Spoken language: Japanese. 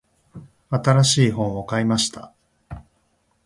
新しい本を買いました。